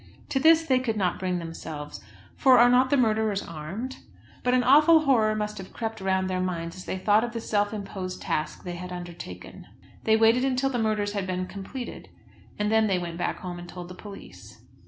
To this they could not bring themselves, for are not the murderers armed? But an awful horror must have crept round their minds as they thought of the self imposed task they had undertaken. They waited until the murders had been completed, and then they went back home and told the police.